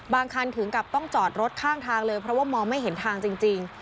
คันถึงกับต้องจอดรถข้างทางเลยเพราะว่ามองไม่เห็นทางจริง